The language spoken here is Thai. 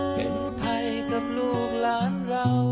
เป็นภัยกับลูกหลานเรา